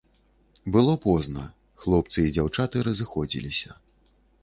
Было позна, хлопцы і дзяўчаты разыходзіліся.